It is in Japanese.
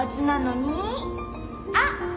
あっ！